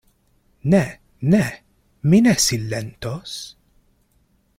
Ne, ne; mi ne silentos.